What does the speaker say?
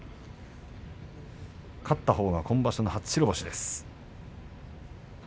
勝ったほうが今場所の初白星です。